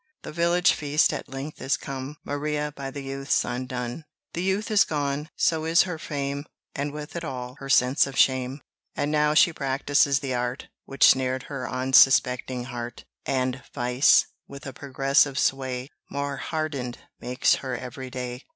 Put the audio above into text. The village feast at length is come; Maria by the youth's undone: The youth is gone so is her fame; And with it all her sense of shame: And now she practises the art Which snared her unsuspecting heart; And vice, with a progressive sway, More hardened makes her every day.